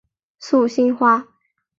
素兴花